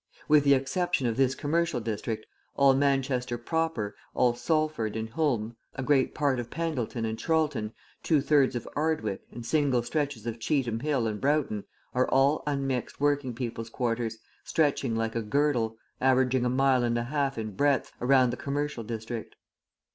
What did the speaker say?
With the exception of this commercial district, all Manchester proper, all Salford and Hulme, a great part of Pendleton and Chorlton, two thirds of Ardwick, and single stretches of Cheetham Hill and Broughton are all unmixed working people's quarters, stretching like a girdle, averaging a mile and a half in breadth, around the commercial district.